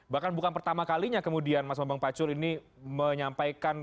bahkan bukan pertama kalinya kemudian mas bambang pacul ini menyampaikan